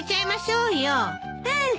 うん。